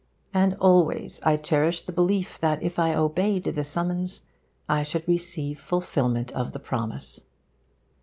And always I cherish the belief that if I obeyed the summons I should receive fulfilment of the promise.